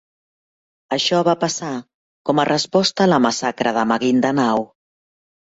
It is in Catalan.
Això va passar com a resposta a la massacre de Maguindanao.